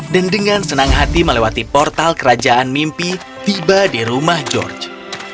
dan dengan senang hati melewati portal kerajaan mimpi tiba di rumah george